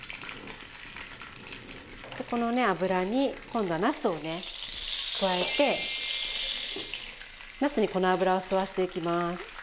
この脂に今度はなすをね加えてなすにこの脂を吸わせていきます。